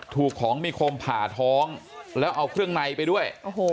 ถูกของมีคมผ่าท้องแล้วเอาเครื่องในไปด้วย